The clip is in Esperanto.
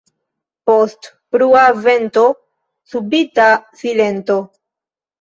Post brua vento subita silento.